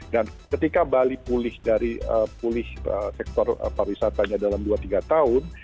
dan ketika bali pulih dari pulih sektor pariwisatanya dalam dua tiga tahun